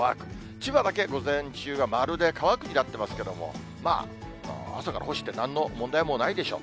千葉だけ午前中は丸で乾くになってますけれども、まあ、朝から干してなんの問題もないでしょう。